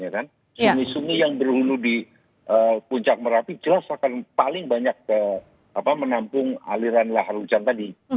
sungai sungai yang berhulu di puncak merapi jelas akan paling banyak menampung aliran lahar hujan tadi